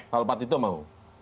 kalau pak tito mau